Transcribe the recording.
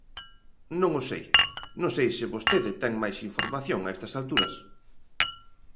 Non o sei; non sei se vostede ten máis información a estas alturas.